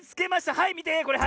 はいみてこれはい。